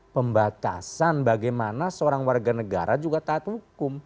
pembatasan bagaimana seorang warga negara juga taat hukum